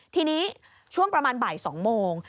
ทีนี้ช่วงประมาณบ่าย๒โมง